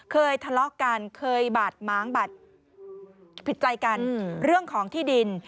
เคยทะเลาะกันเคยบาดม้างบาดผิดใจกันเรื่องของที่ดิน